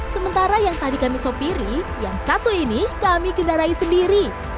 sementara yang tadi kami sopiri yang satu ini kami kendarai sendiri